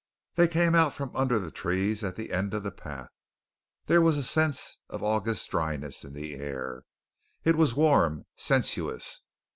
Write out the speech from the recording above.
They came out from under the trees at the end of the path. There was a sense of August dryness in the air. It was warm, sensuous.